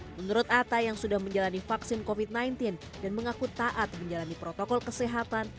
menurut atta yang sudah menjalani vaksin covid sembilan belas dan mengaku taat menjalani protokol kesehatan